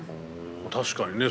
確かにね